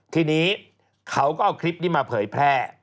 ทีนี้เขาก็เอาคลิปนี้มาเผยแพร่